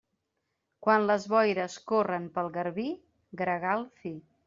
Quan les boires corren pel Garbí, gregal fi.